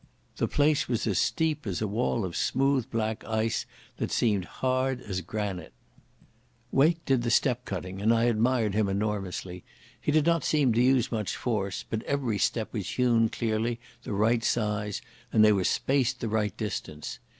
The place was as steep as a wall of smooth black ice that seemed hard as granite. Wake did the step cutting, and I admired him enormously. He did not seem to use much force, but every step was hewn cleanly the right size, and they were spaced the right distance.